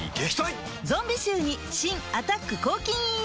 ゾンビ臭に新「アタック抗菌ＥＸ」